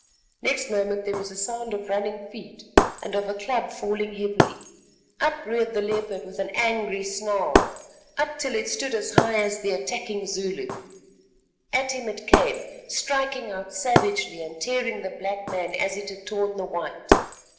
Next moment there was a sound of running feet and of a club falling heavily. Up reared the leopard with an angry snarl, up till it stood as high as the attacking Zulu. At him it came, striking out savagely and tearing the black man as it had torn the white.